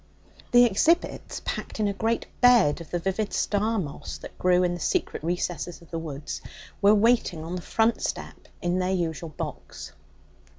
The exhibits, packed in a great bed of the vivid star moss that grew in the secret recesses of the woods, were waiting on the front step in their usual box.